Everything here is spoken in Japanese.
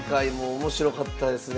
面白かったですね